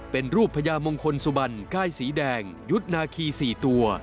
เป็นรูปพญามงคลสุบันก้ายสีแดงยุทธ์นาคี๔ตัว